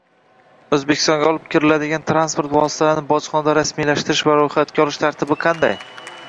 O’zbekistonga olib kiriladigan transport vositalarini bojxonada rasmiylashtirish va ro’yxatga olish tartibi qanday?